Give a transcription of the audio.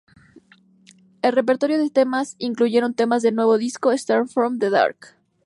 El repertorio de temas incluyeron temas del nuevo disco "Start from the Dark".